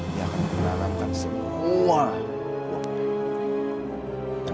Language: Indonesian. dia akan menanamkan semua uang